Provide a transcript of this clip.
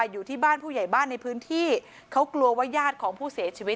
อยู่ที่บ้านผู้ใหญ่บ้านในพื้นที่เขากลัวว่าญาติของผู้เสียชีวิต